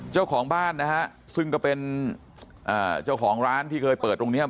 เจ้าของบ้านนะฮะซึ่งก็เป็นอ่าเจ้าของร้านที่เคยเปิดตรงเนี้ย